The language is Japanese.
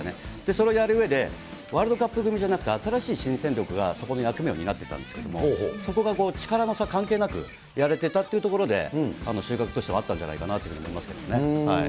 それをやるうえで、ワールドカップ組じゃなくて、新しい新戦力がそこの役目を担ってたんですけれども、そこが力の差関係なく、やれてたっていうところで、収穫としてはあったんじゃないかなと思いますけどね。